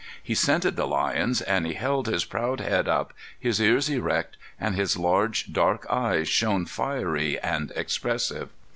He scented the lions, and he held his proud head up, his ears erect, and his large, dark eyes shone fiery and expressive.